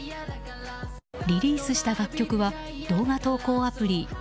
リリースした楽曲は動画投稿アプリ